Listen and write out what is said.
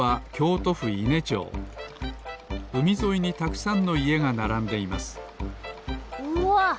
うみぞいにたくさんのいえがならんでいますうわっ！